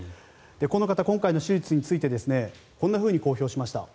この方、今回の手術についてこんなふうに公表しました。